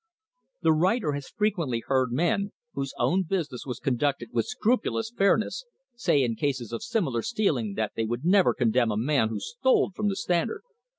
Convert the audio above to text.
The writer has frequently heard men, whose own business was conducted with scrupulous fair ness, say in cases of similar stealing that they would never condemn a man who stole from the Standard!